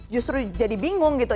justru jadi bingung gitu